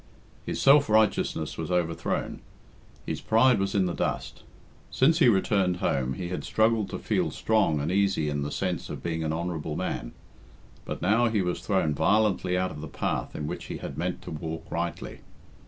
His self righteousness was overthrown; his pride was in the dust. Since he returned home, he had struggled to feel strong and easy in the sense of being an honourable man; but now he was thrown violently out of the path in which he had meant to walk rightly.